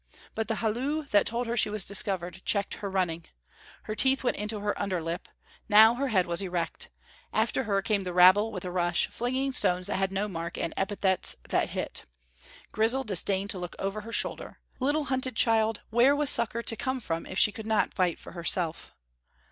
But the halloo that told her she was discovered checked her running. Her teeth went into her underlip; now her head was erect. After her came the rabble with a rush, flinging stones that had no mark and epithets that hit. Grizel disdained to look over her shoulder. Little hunted child, where was succor to come from if she could not fight for herself?